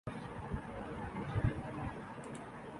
corona virus پر ف